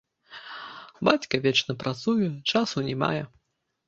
Бацька вечна працуе, часу не мае.